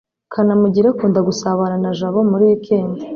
kanamugire akunda gusabana na jabo muri wikendi